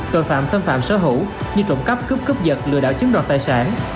tội phạm xâm phạm sở hữu như trộm cắp cướp cướp vật lừa đảo chứng đoàn tài sản